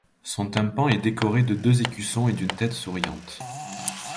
Son tympan est décoré de deux écussons et d'une tête souriante.